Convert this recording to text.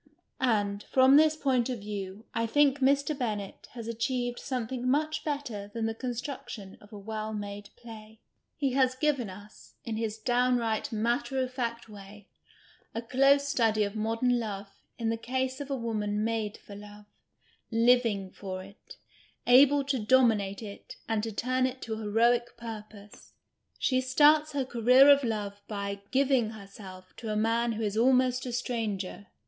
And, from this point of view, I think Mr. Bennett has achieved something much better than the construction of a well made play. 162 THEATRICAL A M O R I S M He has given us, in his downriglit matter of fact way, a close study of modern love in the case of a woman made for love, living for it, able to dominate it and to turn it to heroic purpose. She starts her career of love by " giving herself " to a man who is almost a stranger.